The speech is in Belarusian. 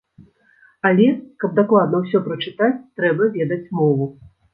Але, каб дакладна ўсё прачытаць, трэба ведаць мову.